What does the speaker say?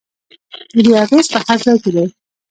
د دوی اغیز په هر ځای کې دی.